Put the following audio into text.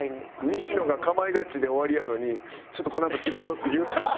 西野が『かまいガチ』で終わりやのに「ちょっとこのあと仕事」って言ったら。